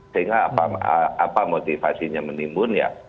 sehingga apa motivasinya menimbun ya